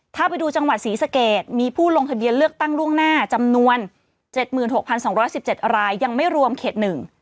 ถ้าไปดูจังหวัดศรีสะเกดมีผู้ลงทะเบียนเลือกตั้งล่วงหน้าจำนวน๗๖๒๑๗รายยังไม่รวมเขต๑